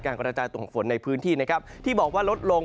การกระจายตกฝนในพื้นที่ที่บอกว่าลดลง